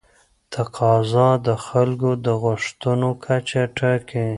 تقاضا د خلکو د غوښتنو کچه ټاکي.